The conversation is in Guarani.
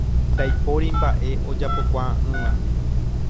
Ndaipóri mbaʼe ojapokuaaʼỹva.